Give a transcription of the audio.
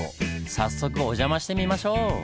早速お邪魔してみましょう！